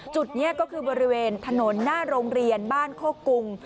จุดนี้ก็คือบริเวณถนนหน้าโรงเรียนบ้านโคกุง